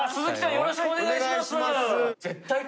よろしくお願いします。